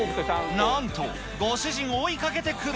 なんとご主人を追いかけてくる。